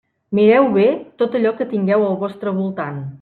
Mireu bé tot allò que tingueu al vostre voltant.